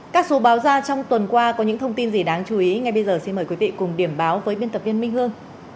các số báo ra trong tuần qua có những thông tin gì đáng chú ý ngay bây giờ xin mời quý vị cùng điểm báo với biên tập viên minh hương